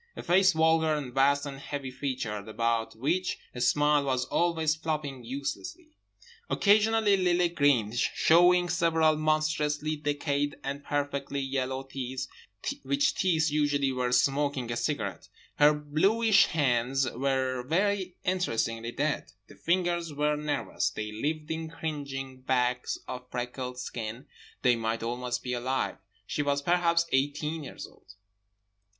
A face vulgar and vast and heavy featured, about which a smile was always flopping uselessly. Occasionally Lily grinned, showing several monstrously decayed and perfectly yellow teeth, which teeth usually were smoking a cigarette. Her bluish hands were very interestingly dead; the fingers were nervous, they lived in cringing bags of freckled skin, they might almost be alive. She was perhaps eighteen years old.